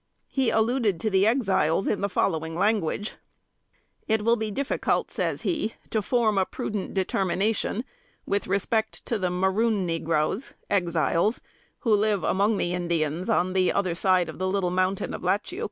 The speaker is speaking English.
He alluded to the Exiles in the following language: "It will be difficult (says he) to form a prudent determination with respect to the 'maroon negroes,' (Exiles), who live among the Indians, on the other side of the little mountain of Latchiouc.